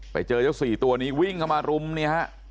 ไปเจอเจ้าสี่ตัวนี้วิ่งเข้ามารุมเนี่ยฮะ